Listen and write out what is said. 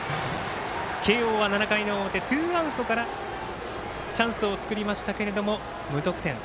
慶応は７回の表、ツーアウトからチャンスを作りましたけれども無得点。